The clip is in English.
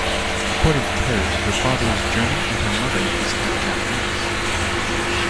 According to Teri, her father is German and her mother is half-Japanese.